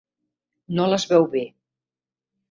No les veu bé.